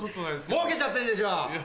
もうけちゃってんでしょ？